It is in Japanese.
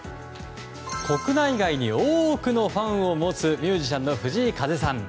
国内外に多くのファンを持つミュージシャンの藤井風さん。